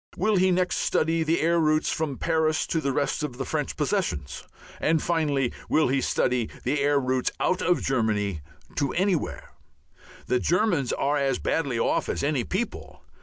Will he next study the air routes from Paris to the rest of the French possessions? And, finally, will he study the air routes out of Germany to anywhere? The Germans are as badly off as any people.